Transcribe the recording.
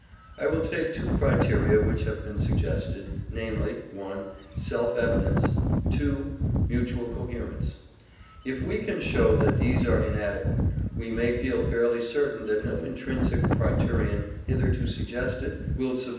I will take two criteria which have been suggested, namely, (1) self evidence, (2) mutual coherence. If we can show that these are inadequate, we may feel fairly certain that no intrinsic criterion hitherto suggested will suffice to distinguish true from false beliefs.